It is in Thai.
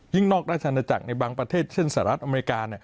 นอกราชนาจักรในบางประเทศเช่นสหรัฐอเมริกา